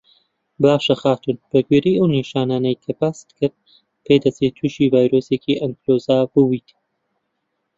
باشه خاتوون بە گوێرەی ئەو نیشانانەی کە باست کرد پێدەچێت تووشی ڤایرۆسێکی ئەنفلەوەنزا بووبیت